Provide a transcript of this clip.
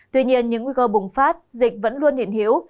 tuy nhiên những nguy cơ bùng phát dịch vẫn luôn hiện hữu